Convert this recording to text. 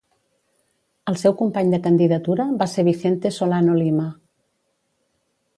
El seu company de candidatura va ser Vicente Solano Lima.